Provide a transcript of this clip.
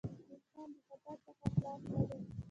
انسان د خطاء څخه خلاص نه دی.